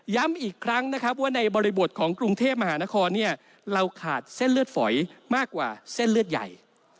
ย้ำอีกครั้งนะครับว่าในบริบทของกรุงเทพมหานครเนี่ยเราขาดเส้นเลือดฝอยมากกว่าเส้นเลือดใหญ่